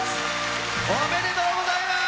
おめでとうございます。